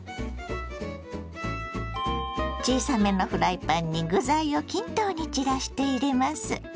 小さめのフライパンに具材を均等に散らして入れます。